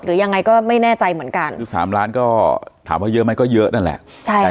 หรือยังไงก็ไม่แน่ใจเหมือนกันคือสามล้านก็ถามว่าเยอะไหมก็เยอะนั่นแหละ